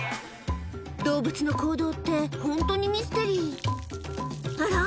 動物の行動ってホントにミステリーあら？